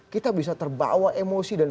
kita bisa terbawa emosi dan